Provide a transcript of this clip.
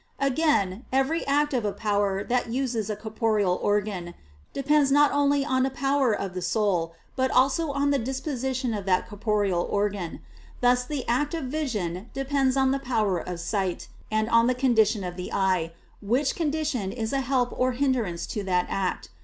Again, every act of a power that uses a corporeal organ, depends not only on a power of the soul, but also on the disposition of that corporeal organ: thus the act of vision depends on the power of sight, and on the condition of the eye, which condition is a help or a hindrance to that act.